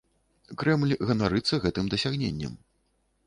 Крэмль ганарыцца гэтым дасягненнем.